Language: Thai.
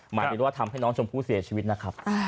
หมายถึงว่าทำให้น้องชมพู่เสียชีวิตนะครับ